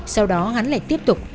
sau đó hắn lại tiếp tục